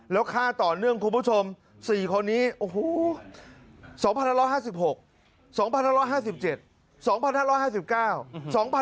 แล้วฆ่าต่อเนื่องคุณผู้ชม๔คนนี้โอ้โห